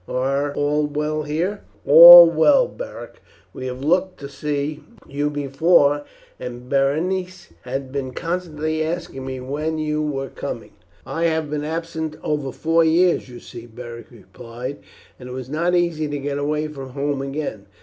"Are all well here?" "All well, Beric. We had looked to see you before, and Berenice has been constantly asking me when you were coming." "I had been absent over four years, you see," Beric replied, "and it was not easy to get away from home again.